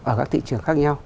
ở các thị trường khác nhau